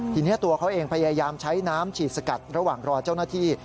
ทีนี้ตัวเขาเองพยายามใช้น้ำฉีดสกัดระหว่างรอเจ้าหน้าที่